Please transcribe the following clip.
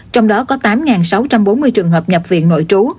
trong đó có tám sáu trăm bốn mươi trường hợp nhập viện nội trú